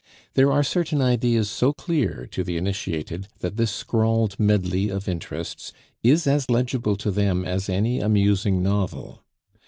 There are certain ideas so clear to the initiated that this scrawled medley of interests is as legible to them as any amusing novel.